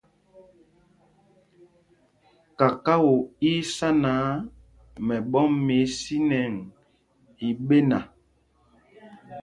Kakao í í sá náǎ, mɛɓɔ́m mɛ ísinɛŋ i ɓéna.